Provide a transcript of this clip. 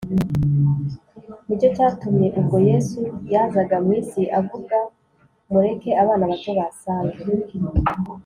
ni cyo cyatumye ubwo yesu yazaga mu isi avuga mureke abana bato basange